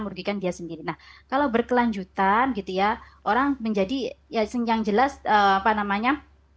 merugikan dia sendiri nah kalau berkelanjutan gitu ya orang menjadi ya yang jelas apa namanya